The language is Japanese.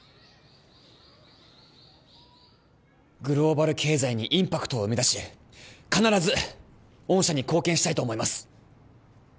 グローバル経済にインパクトを生み出し必ず御社に貢献したいと思います